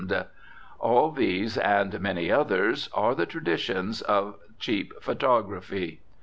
All these and many others are the traditions of the cheap photography.